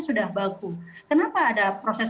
sudah baku kenapa ada proses